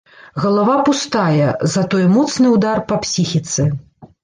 Галава пустая, затое моцны ўдар па псіхіцы.